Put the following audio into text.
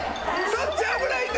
そっち危ないって！